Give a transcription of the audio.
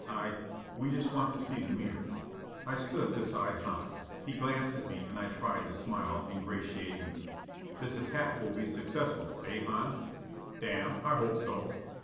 I we just want to see the mirror." I stood beside Hans. He glanced at me and I tried to smile ingratiatingly. "This attack will be successful, eh, Hans?" "Damn. I hope so."